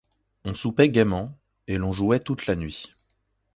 On soupait gaiement et l'on jouait toute la nuit.